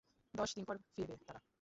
দশদিন পর ফিরবে তারা।